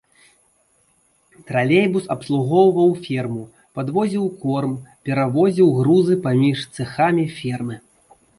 Тралейбус абслугоўваў ферму, падвозіў корм, перавозіў грузы паміж цэхамі фермы.